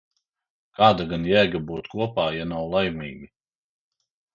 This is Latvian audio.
Kāda gan jēga būt kopā, ja nav laimīgi?